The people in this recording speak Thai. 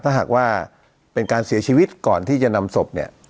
ถ้าหากว่าเป็นการเสียชีวิตก่อนที่จะนำศพเนี่ย